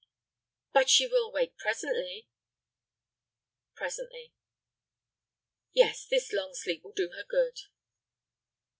"But she will wake presently?" "Presently." "Yes. This long sleep will do her good."